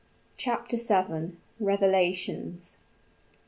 CHAPTER VII. REVELATIONS.